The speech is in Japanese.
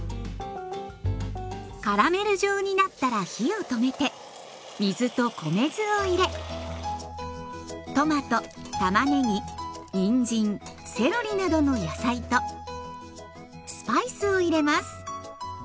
カラメル状になったら火を止めて水と米酢を入れトマトたまねぎにんじんセロリなどの野菜とスパイスを入れます。